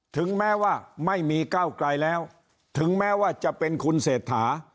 ถึงแม้ว่าไม่มีก้าวไกลแล้วถึงแม้ว่าจะเป็นคุณเศรษฐา